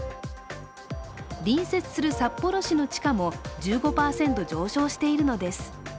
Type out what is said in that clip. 隣接する札幌市の地価も１５％上昇しているのです。